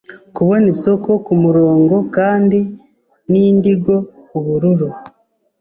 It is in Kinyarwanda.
Kubona isoko kumurongo kandi ni indigo ubururu